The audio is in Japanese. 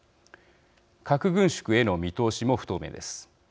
核軍縮への見通しも不透明です。